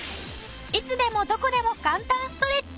いつでもどこでも簡単ストレッチ。